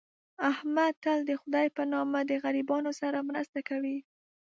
احمد تل دخدی په نامه د غریبانو سره مرسته کوي.